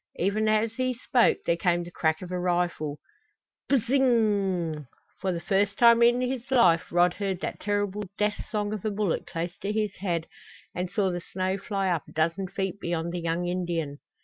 Even as he spoke there came the crack of a rifle. Bzzzzzzz inggggg! For the first time in his life Rod heard that terrible death song of a bullet close to his head and saw the snow fly up a dozen feet beyond the young Indian.